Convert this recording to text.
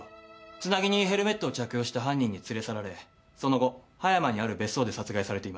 ツナギにヘルメットを着用した犯人に連れ去られその後葉山にある別荘で殺害されています。